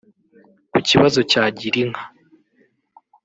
Ku Kibazo cya Girinka